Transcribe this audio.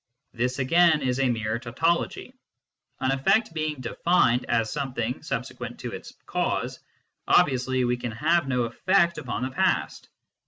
This, again, is a mere tautology. An effect being defined as something subse quent to its cause, obviously we can have no effect upon the past.